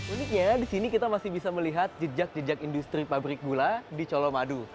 uniknya di sini kita masih bisa melihat jejak jejak industri pabrik gula di colomadu